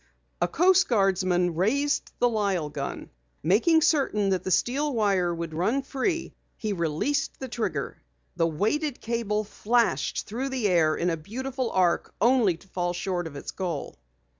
A Coast Guardsman raised the Lyle gun. Making certain that the steel wire would run free, he released the trigger. The weighted cable flashed through the air in a beautiful arch only to fall short of its goal.